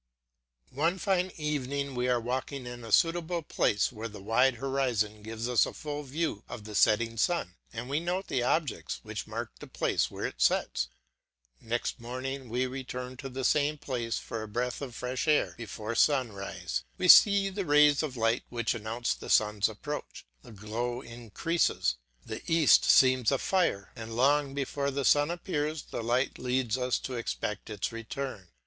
One fine evening we are walking in a suitable place where the wide horizon gives us a full view of the setting sun, and we note the objects which mark the place where it sets. Next morning we return to the same place for a breath of fresh air before sun rise. We see the rays of light which announce the sun's approach; the glow increases, the east seems afire, and long before the sun appears the light leads us to expect its return.